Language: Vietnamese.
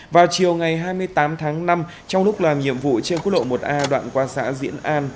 vào chiều ngày hai mươi tám tháng năm trong lúc làm nhiệm vụ trên quốc lộ một a đoạn qua xã diễn an